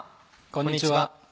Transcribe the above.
こんにちは。